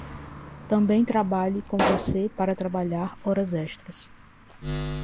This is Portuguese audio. Também trabalhe com você para trabalhar horas extras.